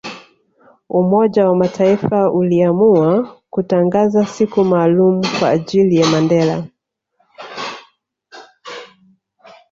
Umoja wa mataifa uliamua kutangaza siku maalumu Kwa ajili ya Mandela